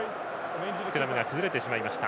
スクラムが崩れてしまいました。